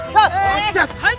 kita harus meraih